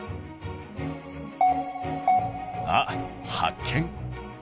あっ発見。